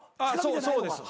そうです。